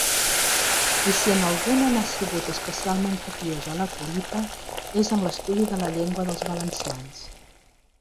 I si en alguna n'ha sigut especialment copiosa la collita, és en l'estudi de la llengua dels valencians.